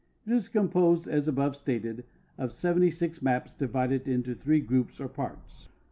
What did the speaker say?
It is composed, as al)ove stated, of 7G maps, divided into three groups or parts.